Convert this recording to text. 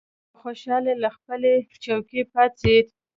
په خوشالۍ له خپلې څوکۍ پاڅېد.